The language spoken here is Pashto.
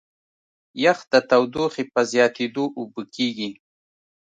یخ د تودوخې په زیاتېدو اوبه کېږي.